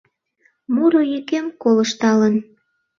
Муро йӱкем колышталын